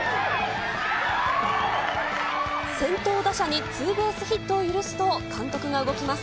先頭打者にツーベースヒットを許すと、監督が動きます。